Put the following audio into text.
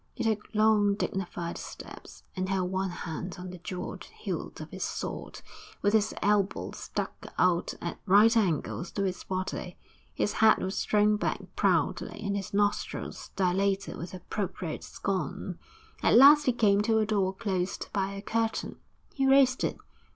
He took long, dignified steps, and held one hand on the jewelled hilt of his sword, with his elbows stuck out at right angles to his body; his head was thrown back proudly and his nostrils dilated with appropriate scorn. At last he came to a door closed by a curtain; he raised it.